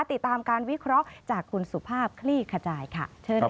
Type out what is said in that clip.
ติดตามการวิเคราะห์จากคุณสุภาพคลี่ขจายค่ะเชิญค่ะ